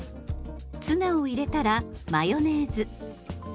ツナを入れたらマヨネーズ。